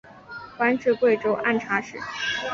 官至贵州按察使。